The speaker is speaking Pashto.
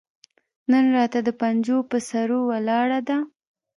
نن راته د پنجو پهٔ سرو ولاړه ده